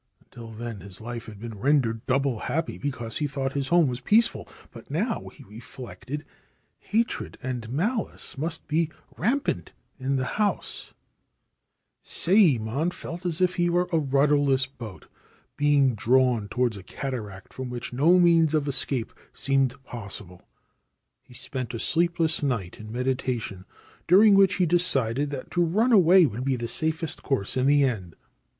Until then his life had been rendered doubly happy because he thought his home was peaceful ; but now, he reflected, hatred and malice must be rampant in the house. Sayemon felt as if 76 ISHIDOMARO MEETS HIS FATHER, BUT FAILS TO IDENTIFY HIM FOR SURE *• The Story of Kato Sayemon he were a rudderless boat, being drawn towards a cataract, from which no means of escape seemed possible. He spent a sleepless night in meditation, during which he decided that to run away would be the safest course in the end.